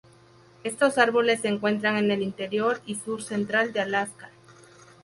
Estos árboles se encuentran en el interior y sur central de Alaska.